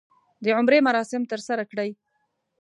د عمرې مراسم ترسره کړي.